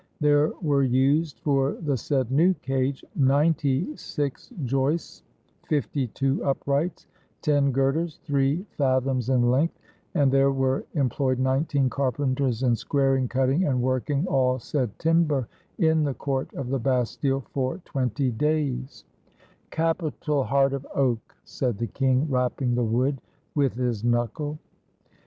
There were used for the said new cage ninety six joists, fifty two uprights, ten girders, three fathoms in length; and there were em ployed nineteen carpenters in squaring, cutting, and working all said timber in the court of the Bastile for twenty days —" "Capital heart of oak!" said the king, rapping the wood with his knuckle.